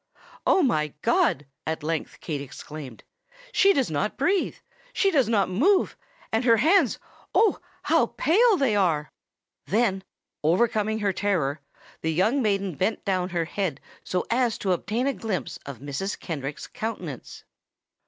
"My God!" at length Kate exclaimed; "she does not breathe—she does not move;—and her hands—oh! how pale they are!" Then, overcoming her terror, the young maiden bent down her head so as to obtain a glimpse of Mrs. Kenrick's countenance.